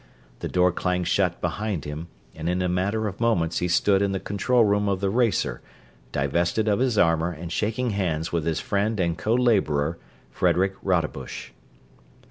The door clanged shut behind him and in a matter of moments he stood in the control room of the racer, divested of his armor and shaking hands with his friend and co laborer, Frederick Rodebush.